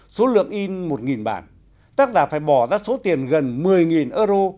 số lượng in một bản tác giả phải bỏ ra số tiền gần một mươi euro